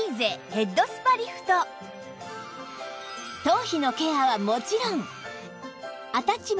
頭皮のケアはもちろん